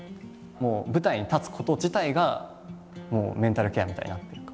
舞台に立つこと自体がメンタルケアみたいになってるのか。